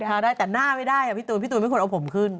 ได้แต่หน้าไม่ได้พี่ตูนพี่ตูนไม่ควรเอาผมขึ้น